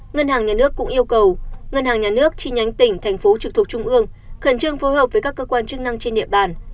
ngân hàng nhà nước cũng yêu cầu ngân hàng nhà nước chi nhánh tỉnh thành phố trực thuộc trung ương khẩn trương phối hợp với các cơ quan chức năng trên địa bàn